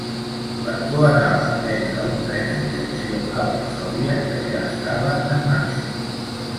L'actor anava a prendre un tren en direcció a Varsòvia, que ja estava en marxa.